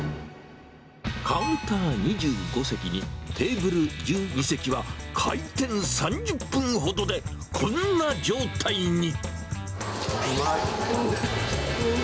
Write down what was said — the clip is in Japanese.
カウンター２５席にテーブル１２席は、開店３０分ほどで、こんなうまい！